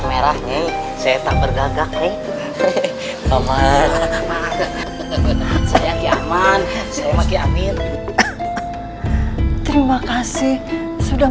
merah nih saya tak bergagak nih hehehe aman aman saya aman saya makin amin terima kasih sudah